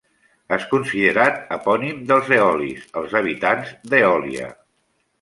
És considerat epònim dels eolis, els habitants d'Eòlia.